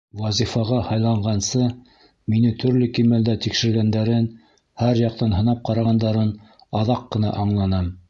Вазифаға һайланғансы мине төрлө кимәлдә тикшергәндәрен, һәр яҡтан һынап ҡарағандарын аҙаҡ ҡына аңланым.